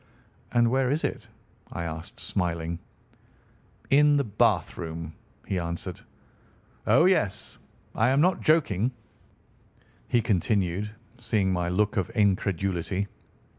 "And where is it?" I asked, smiling. "In the bathroom," he answered. "Oh, yes, I am not joking," he continued, seeing my look of incredulity.